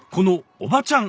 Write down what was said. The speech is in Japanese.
・おばちゃん！